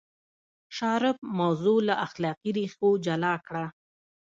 شارپ موضوع له اخلاقي ریښو جلا کړه.